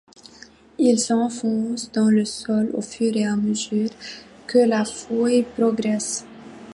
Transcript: Il s'enfonce dans le sol au fur et à mesure que la fouille progresse.